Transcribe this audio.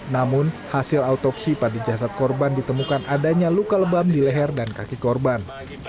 namun hasil autopsi pada jasad korban ditemukan adanya luka lebam di leher dan kaki korban